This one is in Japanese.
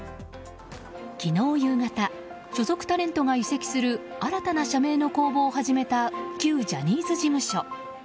昨日夕方所属タレントが移籍する新たな社名の公募を始めた旧ジャニーズ事務所。